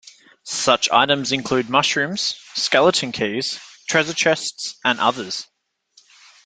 Such items include mushrooms, skeleton keys, treasure chests, and others.